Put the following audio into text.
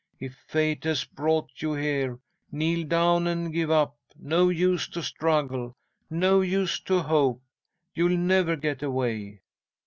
If fate has brought you here, kneel down and give up. No use to struggle, no use to hope. You'll never get away."